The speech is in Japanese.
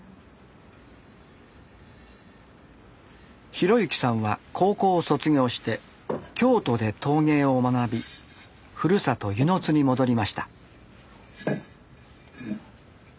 浩之さんは高校を卒業して京都で陶芸を学びふるさと温泉津に戻りました。